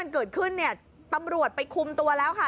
เกิดขึ้นเนี่ยตำรวจไปคุมตัวแล้วค่ะ